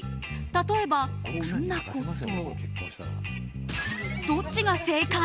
例えば、こんなこと。